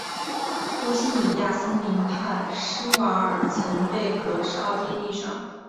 波希米亚森林畔施瓦尔岑贝格是奥地利上奥地利州罗巴赫县的一个市镇。